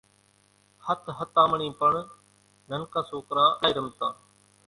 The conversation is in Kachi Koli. ۿتۿتامڻِي پڻ ننڪان سوڪران الائِي رمتان۔